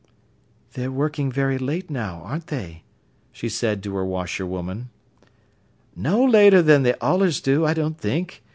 "They're working very late now, aren't they?" she said to her washer woman. "No later than they allers do, I don't think.